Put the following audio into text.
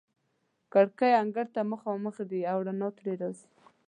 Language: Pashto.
کړکۍ انګړ ته مخامخ دي او رڼا ترې راځي.